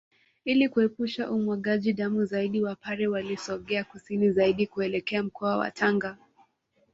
Ili kuepusha umwagaji damu zaidi Wapare walisogea kusini zaidi kuelekea mkoa wa Tanga